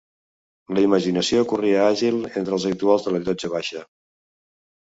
La imaginació corria àgil entre els habituals de la llotja baixa